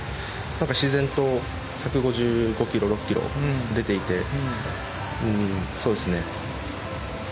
自然と１５５キロ、１５６キロ出ていてそうですね。